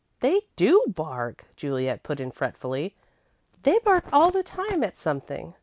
"They do bark," Juliet put in fretfully. "They bark all the time at something.